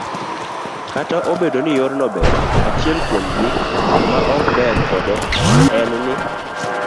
Kata obedo ni yorno ber, achiel kuom gik ma ok ber kode en ni,